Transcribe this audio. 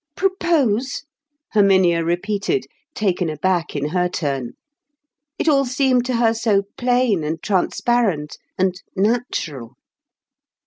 "Propose?" Herminia repeated, taken aback in her turn. It all seemed to her so plain, and transparent, and natural.